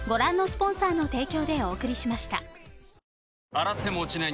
洗っても落ちない